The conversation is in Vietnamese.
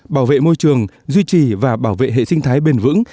bảo vệ môi trường duy trì và bảo vệ hệ sinh thái bền vững